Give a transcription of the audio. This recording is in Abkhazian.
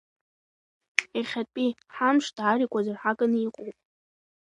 Ехьатәи ҳамш даара игәазырҳаганы иҟоуп.